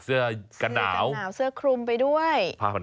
เสื้อกันหนาวหนาวเสื้อคลุมไปด้วย